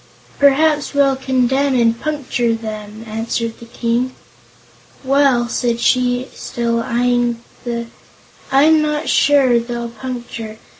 "Perhaps we'll condemn 'em and puncture 'em," answered the King. "Well," said she, still eyeing the "I'm not sure they'll puncture.